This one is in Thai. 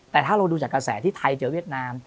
แต่ถ้าเราดูจากกระแสที่ไทยเจอเวียดนาม